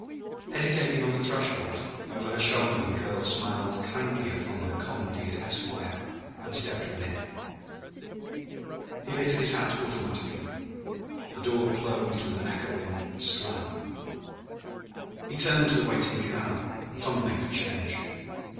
Hesitating on the threshold, over her shoulder the girl smiled kindly upon her commandeered esquire; and stepped within. He lifted his hat automatically. The door closed with an echoing slam. He turned to the waiting cab, fumbling for change.